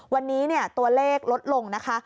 วันนี้ตัวเลขลดลงนะคะ